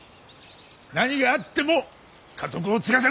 何があっても家督を継がせるんだ！